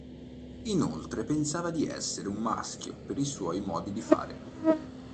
Inoltre pensava di essere un maschio per i suoi modi di fare.